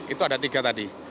itu ada tiga tadi